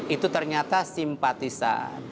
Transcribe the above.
itu ternyata simpatisan